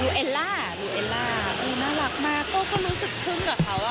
อยู่เอลล่าอยู่เอลล่าน่ารักมากก็รู้สึกทึ่งกับเขา